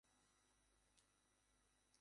নিজেকে তার ভিখিরির মতো মনে হচ্ছে।